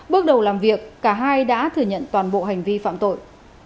bước đầu làm việc cả hai đã thừa nhận toàn bộ hành vi phạm tội